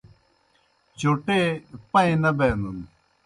چوٹے پائیں نہ بینَن